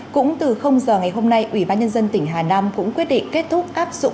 cũng từ giờ ngày hôm nay ủy ban nhân dân tỉnh hà nam cũng quyết định kết thúc áp dụng